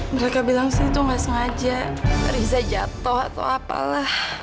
mereka bilang sih itu nggak sengaja riza jatuh atau apalah